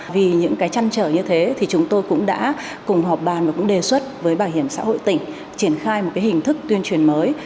vì những cái chăn trở như thế thì chúng tôi cũng đã cùng họp bàn và cũng đề xuất với bảo hiểm xã hội tỉnh triển khai một cái hình thức tuyên truyền mới